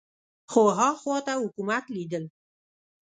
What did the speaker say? خو ها خوا ته حکومت لیدل